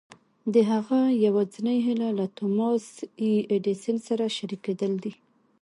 د هغه يوازېنۍ هيله له توماس اې ايډېسن سره شريکېدل دي.